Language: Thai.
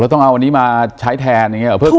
ต้องเอาอันนี้มาใช้แทน